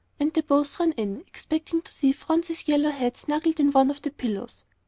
And they both ran in, expecting to see Phronsie's yellow head snuggled into one of the pillows.